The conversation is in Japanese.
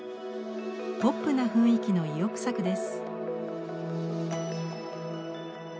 ポップな雰囲気の意欲作です。